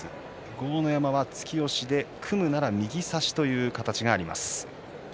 豪ノ山は組むなら右差しという形があります。